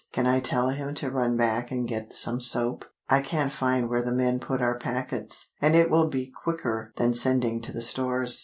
Can I tell him to run back and get some soap? I can't find where the men put our packets, and it will be quicker than sending to the Stores.